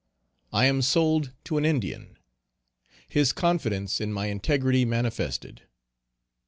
I am sold to an Indian. His confidence in my integrity manifested.